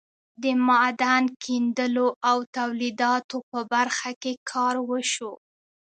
د معدن کیندلو او تولیداتو په برخه کې کار وشو.